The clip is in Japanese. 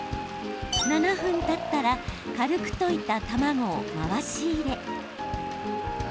７分たったら軽く溶いた卵を回し入れ